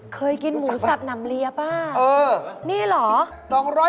เคยกินหมูสับนำเลียบป่ะนี่เหรอรู้จักปะเออ